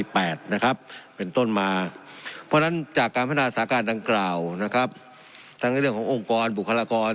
เพราะฉะนั้นจากการพัฒนาสาการดังกล่าวทั้งในเรื่องขององค์กรบุคลากร